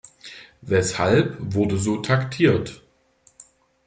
Weshalb wurde so taktiert?